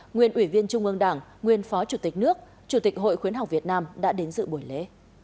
nguyên ủy viên trung ương đảng nguyên phó chủ tịch nước chủ tịch hội khuyến học việt nam đã đến dự buổi lễ